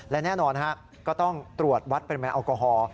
และแน่นอนก็ต้องตรวจวัดปริมาณแอลกอฮอล์